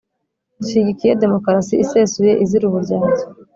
dushyigikiye demokarasi isesuye izira uburyarya